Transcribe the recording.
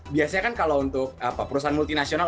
biasanya kan kalau untuk perusahaan multinasional